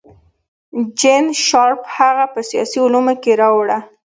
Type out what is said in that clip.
جین شارپ هغه په سیاسي علومو کې راوړه.